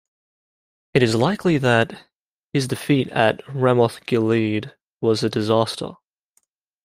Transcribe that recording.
It is likely that his defeat at Ramoth-Gilead was a disaster.